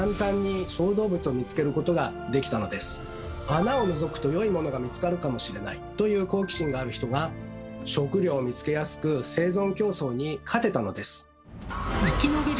穴をのぞくと良いモノが見つかるかもしれないという好奇心がある人が食料を見つけやすく生存競争に勝てたのです。